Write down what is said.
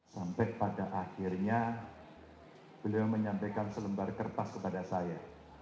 sampai pada akhirnya beliau menyampaikan selembar kertas kepada saya